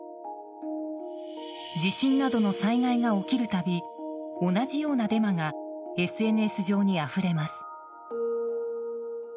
地震などの災害が起きるたび同じようなデマがＳＮＳ上にあふれます。